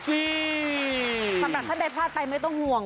สำหรับท่านใดพลาดไปไม่ต้องห่วง